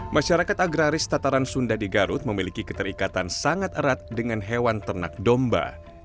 masyarakat agraris tataran sunda di garut memiliki keterikatan sangat erat dengan hewan ternak domba